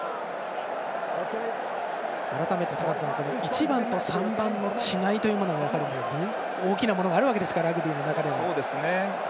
改めて、坂田さん１番と３番の違いは大きなものがあるわけですかラグビーの中では。